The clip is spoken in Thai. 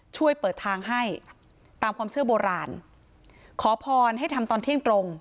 ช่วยเปิดทางให้ตามความเชื่อโบราณขอพรให้ทำตอนเที่ยงตรง